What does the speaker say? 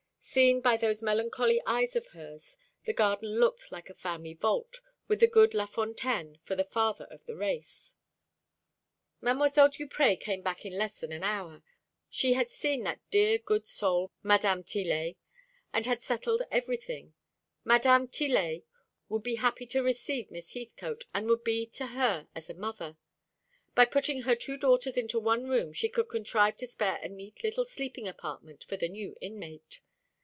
Seen by those melancholy eyes of hers, the garden looked like a family vault, with the good Lafontaine for the father of the race. Mdlle. Duprez came back in less than an hour. She had seen that dear good soul Mdme. Tillet, and had settled everything. Mdme. Tillet would be happy to receive Miss Heathcote, and would be to her as a mother. By putting her two daughters into one room, she could contrive to spare a neat little sleeping apartment for the new inmate.